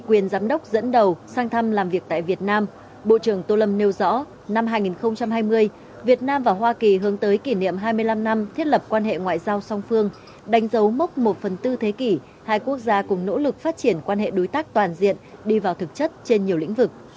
quyền giám đốc dẫn đầu sang thăm làm việc tại việt nam bộ trưởng tô lâm nêu rõ năm hai nghìn hai mươi việt nam và hoa kỳ hướng tới kỷ niệm hai mươi năm năm thiết lập quan hệ ngoại giao song phương đánh dấu mốc một phần tư thế kỷ hai quốc gia cùng nỗ lực phát triển quan hệ đối tác toàn diện đi vào thực chất trên nhiều lĩnh vực